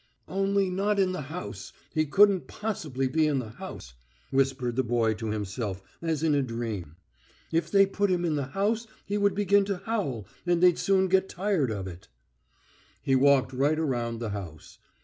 "... Only not in the house ... he couldn't possibly be in the house," whispered the boy to himself as in a dream; "if they put him in the house he would begin to howl, and they'd soon get tired of it...." He walked right round the house.